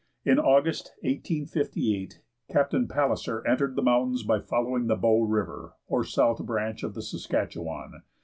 In August, 1858, Captain Palliser entered the mountains by following the Bow River, or south branch of the Saskatchewan.